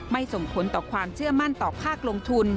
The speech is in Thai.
ส่งผลต่อความเชื่อมั่นต่อภาคลงทุน